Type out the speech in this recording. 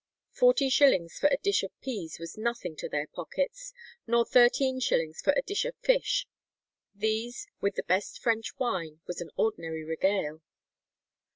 "[136:1] Forty shillings for a dish of peas was nothing to their pockets, nor 13_s._ for a dish of fish. These, "with the best French wine, was an ordinary regale."